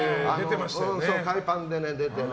海パンで出てね。